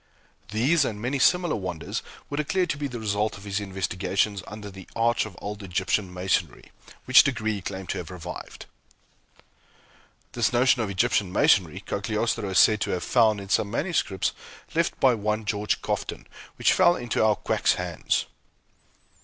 These and many similar wonders were declared to be the result of his investigations under the Arch of Old Egyptian Masonry, which degree he claimed to have revived. This notion of Egyptian Masonry, Cagliostro is said to have found in some manuscripts left by one George Cofton, which fell into our quack's hands.